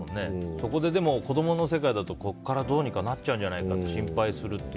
そこで子供の世界だとここからどうにかなっちゃうんじゃないか心配しちゃうっていう。